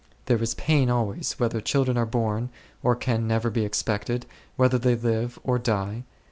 There is pain always, whether children are born, or can never be expected, whether they live, or die.